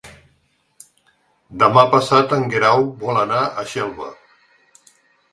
Demà passat en Guerau vol anar a Xelva.